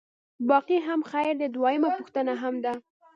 باقي هم خیر دی، دویمه پوښتنه هم ده.